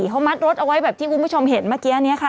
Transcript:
เขามัดรถเอาไว้แบบที่คุณผู้ชมเห็นเมื่อกี้นี้ค่ะ